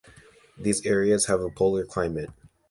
These areas have a polar climate.